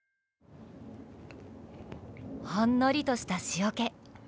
ほんのりとした塩け。